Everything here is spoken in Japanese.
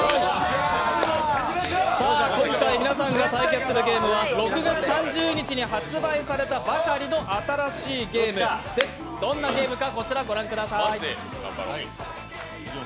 今回、皆さんが対決するゲームは６月３０日に発売されたばかりの新しいゲームです、どんなゲームかこちらご覧ください。